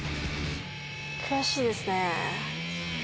悔しいですね